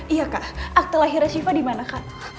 iya kak akte lahiran siva dimana kak